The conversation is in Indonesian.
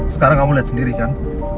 sekarang kamu lihat sendiri kan